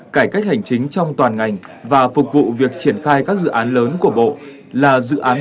cải cách hành chính trong toàn ngành và phục vụ việc triển khai các dự án lớn của bộ là dự án